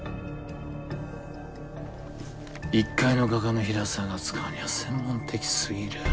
一介の画家の平沢が扱うには専門的すぎる。